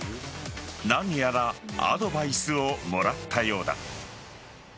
何やらアドバイスをもらったようだ。